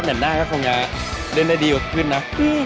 เห็นหน้าก็คงจะเล่นได้ดีกว่าขึ้นนะ